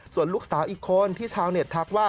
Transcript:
ส่วนลูกสาวอีกคนที่ชาวเน็ตทักว่า